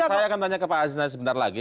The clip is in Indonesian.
saya akan tanya ke pak aziz nanti sebentar lagi